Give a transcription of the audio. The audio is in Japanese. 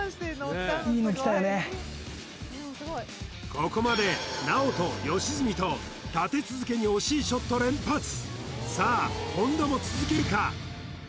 ここまでＮＡＯＴＯ良純と立て続けに惜しいショット連発さあ本田も続けるか？